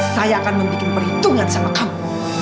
saya akan membuat perhitungan sama kamu